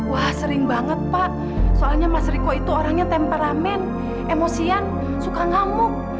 wah sering banget pak soalnya mas riko itu orangnya temperamen emosian suka ngamuk